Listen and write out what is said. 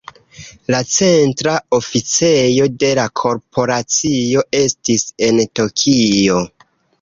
La centra oficejo de la korporacio estis en Tokio.